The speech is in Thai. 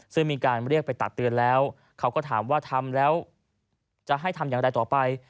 ซึ่งมีการเรียกไปตักเตือนแล้วเขาก็ถามว่าทำแล้วจะให้ทำอย่างไรต่อไป